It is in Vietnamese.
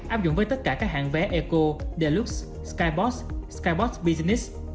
áp dụng với tất cả các hạng vé eco deluxe skybox skybox business